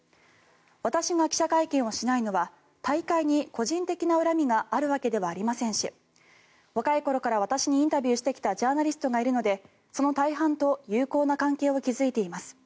私が記者会見をしないのは大会に個人的な恨みがあるわけではありませんし若い頃から私にインタビューしてきたジャーナリストがいるのでその大半と有効な関係を築いています。